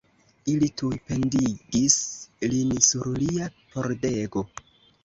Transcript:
Ili tuj pendigis lin sur lia pordego.